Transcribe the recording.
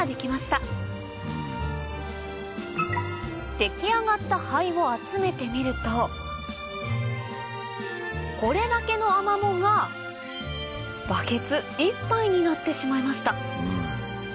出来上がった灰を集めてみるとこれだけのアマモがバケツ１杯になってしまいました